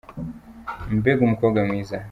Mbega umukobwa mwiza!